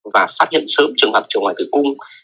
và phát hiện sớm trường hợp trường ngoài tử cung